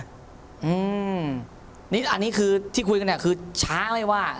อันนี้คือที่คุยกันเนี่ยคือช้างเลยว่า